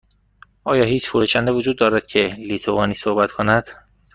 آیا هیچ فروشنده وجود دارد که لیتوانی صحبت کند؟